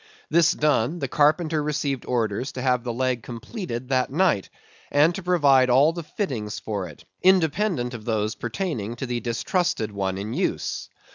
This done, the carpenter received orders to have the leg completed that night; and to provide all the fittings for it, independent of those pertaining to the distrusted one in use.